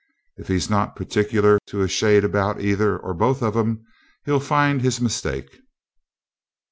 If he's not particular to a shade about either or both of 'em, he'll find his mistake.